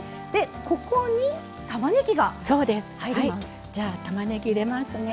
ここにたまねぎが入ります。